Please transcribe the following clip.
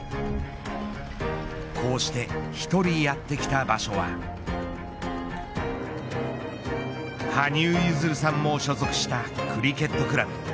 こうして一人でやってきた場所は羽生結弦さんも所属したクリケットクラブ。